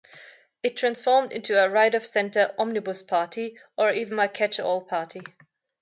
It transformed into a right-of-centre "omnibus" party, or even a "catch-all party".